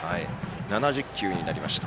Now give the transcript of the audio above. ７０球になりました。